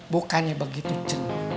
bukannya begitu cet